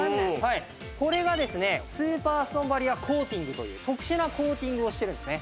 これがですねスーパーストーンバリアコーティングという特殊なコーティングをしてるんですね。